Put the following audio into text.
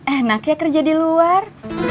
enak ya kerja di luar